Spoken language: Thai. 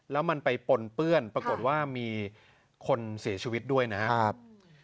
แล้วมันไปปนเปื้อนปรากฏว่ามีคนเสียชีวิตด้วยนะครับ